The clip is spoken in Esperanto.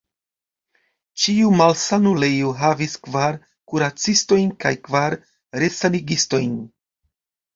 Ĉiu malsanulejo havis kvar kuracistojn kaj kvar resanigistojn.